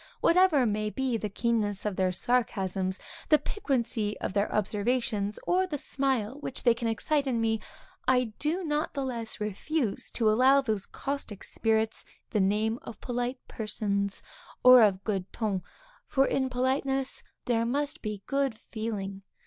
Whatever may be the keenness of their sarcasms, the piquancy of their observations, or the smile which they excite in me, I do not the less refuse to allow to those caustic spirits the name of polite persons, or of good ton; for, in politeness there must be good feeling.